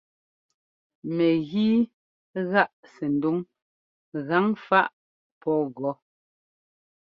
Mɛgíi gáꞌ sɛndúŋ gaŋfaꞌ pɔ́ gɔ́.